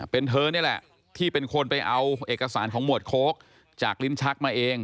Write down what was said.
เป็นเธอนี่แหละที่เป็นคนไปเอาเอกสารของหมวดโค้กจากลิ้นชักมาเอง